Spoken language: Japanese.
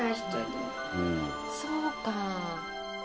そうか。